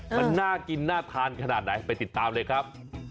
มันน่ากินน่าทานขนาดไหนไปติดตามเลยครับ